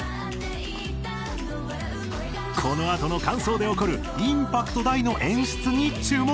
このあとの間奏で起こるインパクト大の演出に注目！